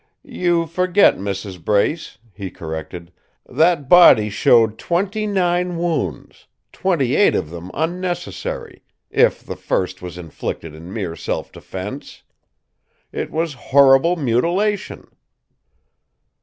"You forget, Mrs. Brace," he corrected. "That body showed twenty nine wounds, twenty eight of them unnecessary if the first was inflicted in mere self defence. It was horrible mutilation."